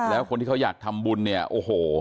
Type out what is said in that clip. แล้วคนที่เขาอยากทำบุญเนี่ยโอ้โห